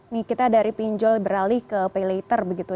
nih kita dari pinjol beralih ke paylater begitu